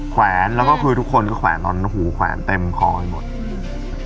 แขวนแล้วก็คือทุกคนก็แขวนตอนหูแขวนเต็มคอไปหมดอืม